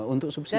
untuk subsidi bb